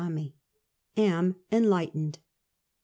AM ENLIGHTENED.